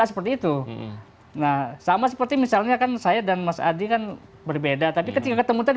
seperti itu nah sama seperti misalnya kan saya dan mas adi kan berbeda tapi ketika ketemu tadi